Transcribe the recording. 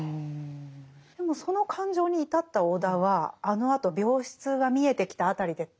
でもその感情に至った尾田はあのあと病室が見えてきた辺りで止まりますよね。